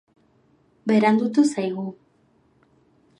Berandutu zaigu.